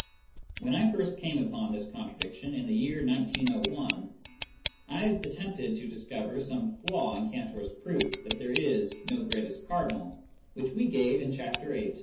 When I first came upon this contradiction, in the year 1901, I attempted to discover some flaw in Cantor's proof that there is no greatest cardinal, which we gave in Chapter VIII.